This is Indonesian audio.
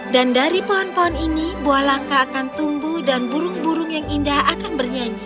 dan dari pohon pohon ini buah langka akan tumbuh dan burung burung yang indah akan bernyanyi